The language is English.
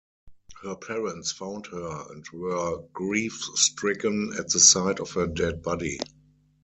Her parents found her and were grief-stricken at the sight of her dead body.